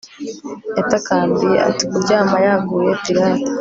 Yatakambiye ati Kuryama yaguye pirate